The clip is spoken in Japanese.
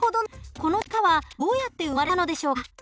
この力はどうやって生まれたのでしょうか？